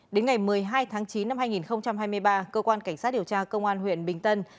đến ngày một mươi hai tháng chín năm hai nghìn hai mươi ba cơ quan cảnh sát điều tra công an huyện bình tân